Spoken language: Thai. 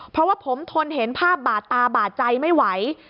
เพราะว่าผมทนเห็นภาพบาดตาบาดใจไม่ไหว